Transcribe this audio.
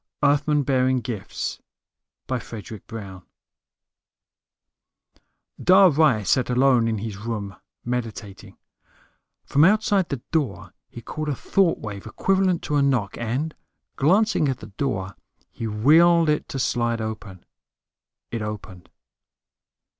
EARTHMEN BEARING GIFTS By FREDRIC BROWN Illustrated by CARTER Dhar Ry sat alone in his room, meditating. From outside the door he caught a thought wave equivalent to a knock, and, glancing at the door, he willed it to slide open. It opened.